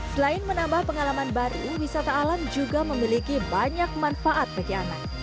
selain menambah pengalaman baru wisata alam juga memiliki banyak manfaat bagi anak